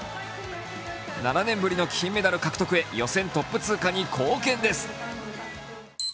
７年ぶりの金メダル獲得へ予選トップ通過に貢献です。